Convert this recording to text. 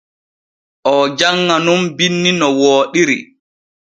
Oo janŋa nun binni no wooɗiri.